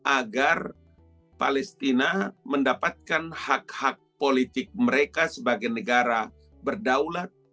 agar palestina mendapatkan hak hak politik mereka sebagai negara berdaulat